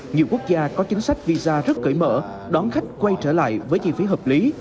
nhiều quốc gia có chính sách visa rất cởi mở đón khách quay trở lại với chi phí hợp lý